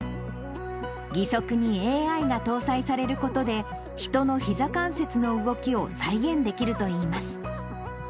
義足にＡＩが搭載されることで、人のひざ関節の動きを再現できるといいます。